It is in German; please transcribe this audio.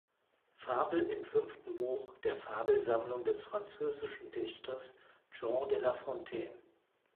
Fabel im fünften Buch der Fabelsammlung des französischen Dichters Jean de La Fontaine.